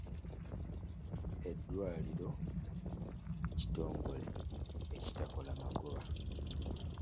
Eddwaliro kitongole ekitakola magoba.